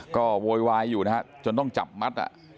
ก็โวยวายอยู่นะฮะจนต้องจับมัด